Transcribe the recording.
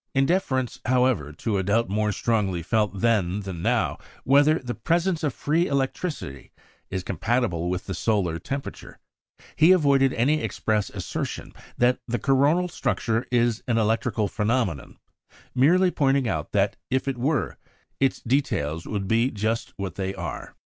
In deference, however, to a doubt more strongly felt then than now, whether the presence of free electricity is compatible with the solar temperature, he avoided any express assertion that the coronal structure is an electrical phenomenon, merely pointing out that, if it were, its details would be just what they are.